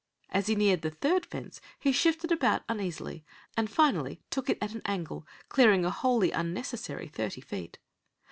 As he neared the third fence he shifted about uneasily, and finally took it at an angle, clearing a wholly unnecessary thirty feet.